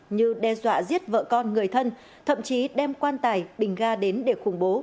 như đe dọa giết vợ con người thân thậm chí đem quan tài bình ga đến để khủng bố